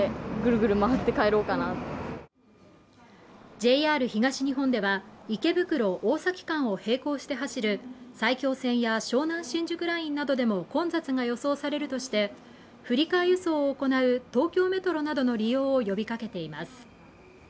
ＪＲ東日本では池袋大崎間を並行して走る埼京線や湘南新宿ラインなどでも混雑が予想されるとして振り替え輸送を行う東京メトロなどの利用を呼びかけています